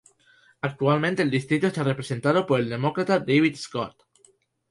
Actualmente el distrito está representado por el Demócrata David Scott.